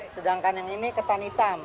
sedangkan yang ini ketan hitam